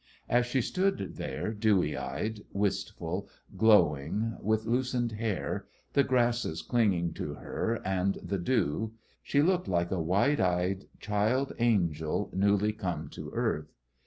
As she stood there dewy eyed, wistful, glowing, with loosened hair, the grasses clinging to her, and the dew, she looked like a wide eyed child angel newly come to earth.